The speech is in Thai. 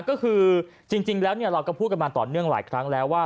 ก็คือจริงแล้วเราก็พูดกันมาต่อเนื่องหลายครั้งแล้วว่า